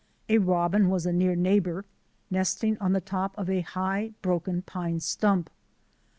A robin was a near neighbour, nesting on the top of a high, broken pine stump.